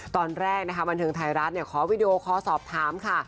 ตอนแรกนะคะบันเทิงไทยรัฐขอวีดีโอคอสอบถามค่ะ